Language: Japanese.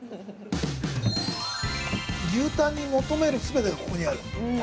◆牛タンに求める全てがここにある。